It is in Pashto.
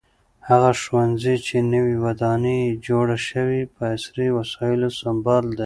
هغه ښوونځی چې نوې ودانۍ یې جوړه شوې په عصري وسایلو سمبال دی.